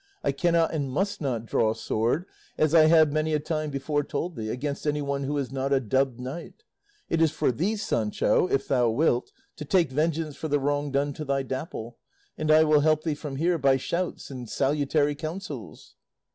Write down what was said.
I cannot and must not draw sword, as I have many a time before told thee, against anyone who is not a dubbed knight; it is for thee, Sancho, if thou wilt, to take vengeance for the wrong done to thy Dapple; and I will help thee from here by shouts and salutary counsels."